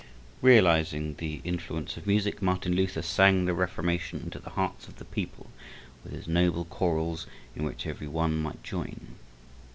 Realizing the influence of music, Martin Luther sang the Reformation into the hearts of the people with his noble chorals in which every one might join.